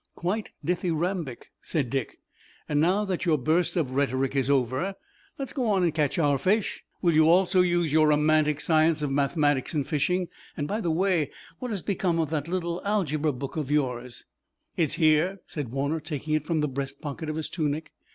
"Quite dithyrambic," said Dick, "and now that your burst of rhetoric is over let's go on and catch our fish. Will you also use your romantic science of mathematics in fishing? By the way, what has become of that little algebra book of yours?" "It's here," said Warner, taking it from the breast pocket of his tunic.